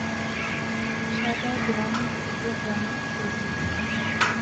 شاردا ہیک گراں نئیں یک بہوں پرانی تہذیب دی